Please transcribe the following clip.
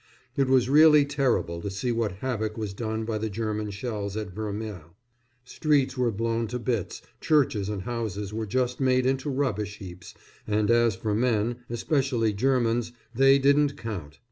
It was really terrible to see what havoc was done by the German shells at Vermelles streets were blown to bits, churches and houses were just made into rubbish heaps, and as for men, especially Germans, they didn't count.